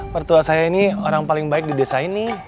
mertua saya ini orang paling baik di desa ini